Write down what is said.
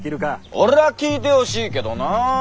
俺は聞いてほしいけどなぁ。